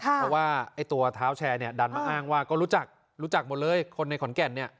เพราะว่าไอ้ตัวเท้าแชร์เนี่ยดันมาอ้างว่าก็รู้จักรู้จักหมดเลยคนในขอนแก่นเนี่ย